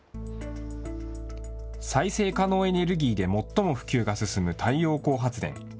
再生可能エネルギーで最も普及が進む太陽光発電。